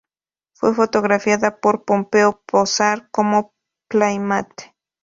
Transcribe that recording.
Fue fotografiada por Pompeo Posar como Playmate.